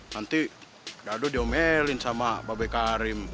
nanti nado diomelin sama pak bekarim